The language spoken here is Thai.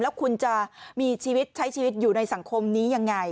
แล้วคุณจะมีชีวิตใช้ชีวิตอยู่ในสังคมนี้ยังไง